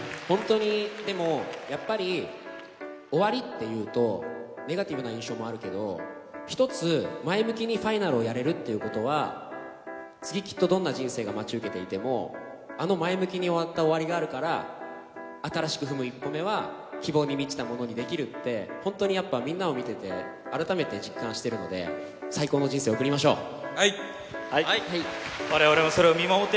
本当にでもやっぱり、終わりっていうと、ネガティブな印象もあるけど、一つ前向きにＦＩＮＡＬをやれるということは、次きっとどんな人生が待ち受けていても、あの前向きに終わった終わりがあるから、新しく踏む一歩目は、希望に満ちたものにできるって、本当にやっぱ、みんなを見てて改めて実感してるので、最高の人生を送りましょう。